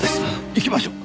行きましょう。